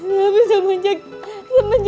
gak bisa menjaga